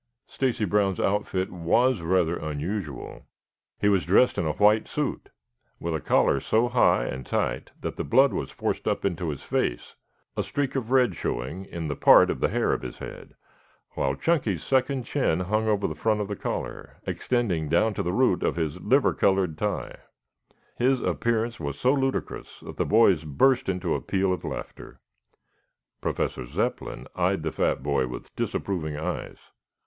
Stacy Brown's outfit was rather unusual. He was dressed in a white suit with a collar so high and tight that the blood was forced up into his face, a streak of red showing in the part of the hair of his head, while Chunky's second chin hung over the front of the collar, extending down to the root of his liver colored tie. His appearance was so ludicrous that the boys burst into a peal of laughter. Professor Zepplin eyed the fat boy with disapproving eyes.